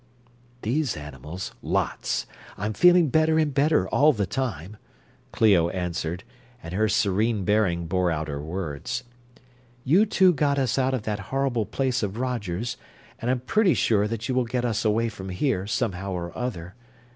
"These animals, lots. I'm feeling better and better all the time," Clio answered, and her serene bearing bore out her words. "You two got us out of that horrible place of Roger's, and I'm pretty sure that you will get us away from here, somehow or other.